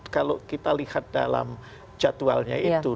kalau kita lihat dalam jadwalnya itu